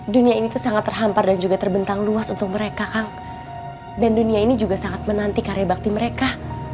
dunia ini tuh sangat terhampar dan juga terbentang luas untuk mereka dan dunia ini juga sangat menanti karya bakti mereka